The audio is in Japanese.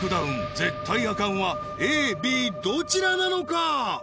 絶対アカンはＡＢどちらなのか？